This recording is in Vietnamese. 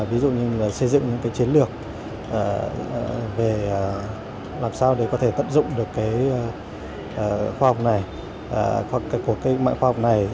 ví dụ như xây dựng những chiến lược về làm sao để có thể tận dụng được khoa học này